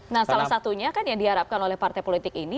nah salah satunya kan yang diharapkan oleh partai politik ini